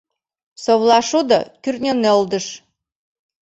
Совлашудо — кӱртньынӧлдыш.